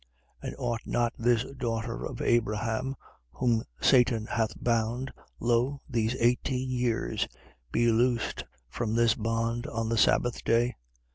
13:16. And ought not this daughter of Abraham, whom Satan hath bound, lo, these eighteen years, be loosed from this bond on the sabbath day?